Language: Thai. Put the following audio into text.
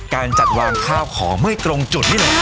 การจัดวางข้าวของไม่ตรงจุดนี่แหละ